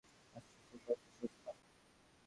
আচ্ছা, তো, কোনটা সস্তা?